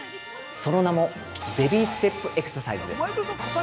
その名も、ベビーステップエクササイズです。